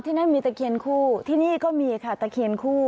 นั่นมีตะเคียนคู่ที่นี่ก็มีค่ะตะเคียนคู่